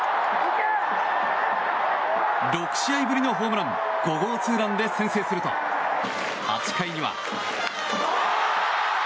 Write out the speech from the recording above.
６試合ぶりのホームラン５号ツーランで先制すると８回には。